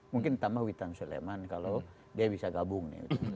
mungkin tambah witan suleman kalau dia bisa gabung